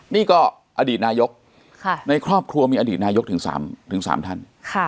นี่ก็อดีตนายกในครอบครัวมีอดีตนายกถึง๓ท่าน